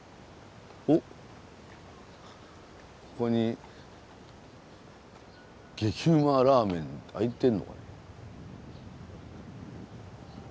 ここに激うまラーメン開いてんのかな。